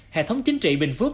hệ thống chính trị bình phước